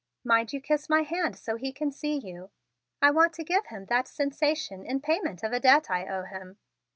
Mind you kiss my hand so he can see you! I want to give him that sensation in payment of a debt I owe him.